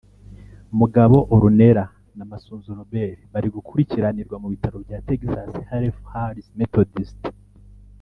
Mugabo Ornella na Masunzu Robert bari gukurikiranirwa mu bitaro bya Texas Health Harris Methodist